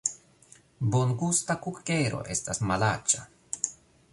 Bongusta kukero estas malaĉa